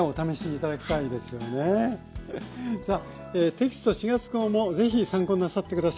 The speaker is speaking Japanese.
テキスト４月号もぜひ参考になさって下さい。